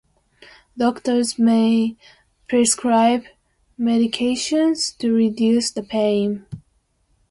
Doctors may prescribe medications to reduce the pain.